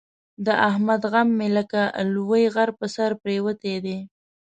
د احمد غم مې لکه لوی غر په سر پرېوتی دی.